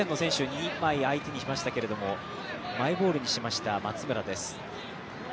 ２人相手にしましたが、マイボールにしました、松村です。